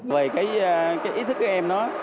về cái ý thức của em đó